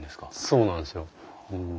そうなんですよ。